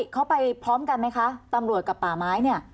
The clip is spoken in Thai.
เขาไปพร้อมกันไหมคะตำรวจกับป่าไม้เนี่ย